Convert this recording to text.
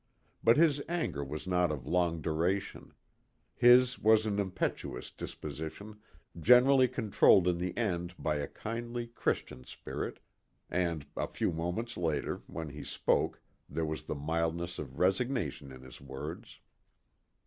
But his anger was not of long duration. His was an impetuous disposition generally controlled in the end by a kindly, Christian spirit, and, a few moments later, when he spoke, there was the mildness of resignation in his words.